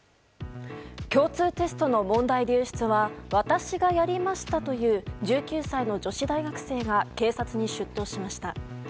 共通テストの問題流出は私がやりましたという１９歳の女子大学生が警察に出頭しました。